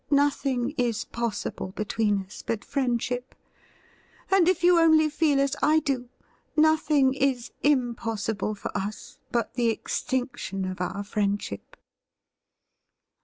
Nothing is possible between us but friendship; and if you only feel as I do, nothing is impossible for us but the extinction of our friendship